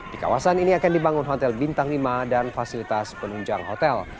di kawasan ini akan dibangun hotel bintang lima dan fasilitas penunjang hotel